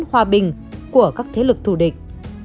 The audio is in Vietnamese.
hoa bình của các thế lực thù địch